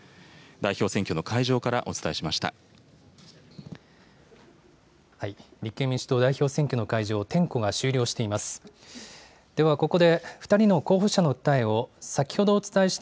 代表選挙の会場からお伝えしました。